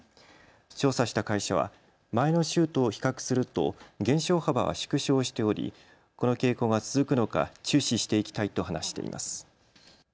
調査した会社は前の週と比較すると減少幅は縮小しておりこの傾向が続くのか注視していきたいと話しています。